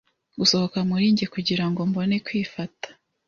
gusohoka muri njye kugirango mbone kwifata